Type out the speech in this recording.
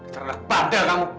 serang pada kamu